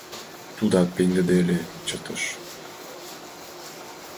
Тудат пеҥгыде ыле, чытыш.